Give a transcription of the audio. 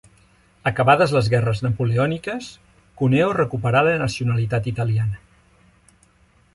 Acabades les guerres napoleòniques, Cuneo recuperà la nacionalitat italiana.